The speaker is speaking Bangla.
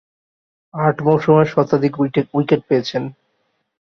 আট মৌসুমে শতাধিক উইকেট পেয়েছেন।